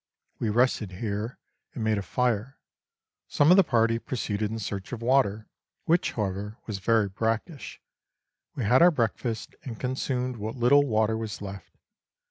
We rested here, and made a fire ; some of the party pro ceeded in search of water, which, however, was very brackish. We had our breakfast and consumed what little water was left.